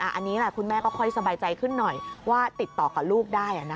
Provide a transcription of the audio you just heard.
อันนี้คุณแม่ก็ค่อยสบายใจขึ้นหน่อยว่าติดต่อกับลูกได้